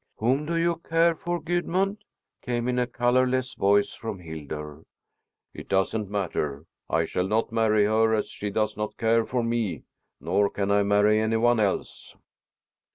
"Whom do you care for, Gudmund?" came in a colorless voice from Hildur. "It doesn't matter. I shall not marry her, as she does not care for me, nor can I marry anyone else."